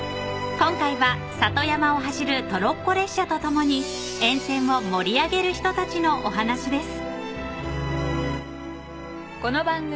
［今回は里山を走るトロッコ列車と共に沿線を盛り上げる人たちのお話です］